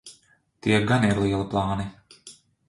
Tie gan ir lieli plāni.